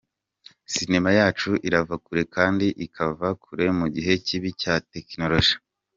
Sinema yacu irava kure kandi ikava kure mu gihe kibi cya Tekinoloji.